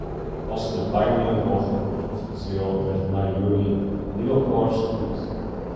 As de peilingen doge, sjocht de seal der nei juny hiel oars út.